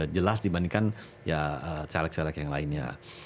jelas dibandingkan ya caleg caleg yang lainnya